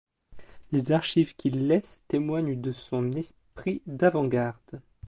Les archives qu’il laisse témoignent de son esprit d’avant-garde.